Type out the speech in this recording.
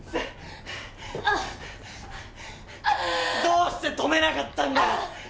どうして止めなかったんだ！